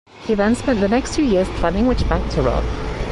He then spent the next two years planning which bank to rob.